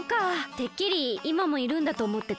てっきりいまもいるんだとおもってた。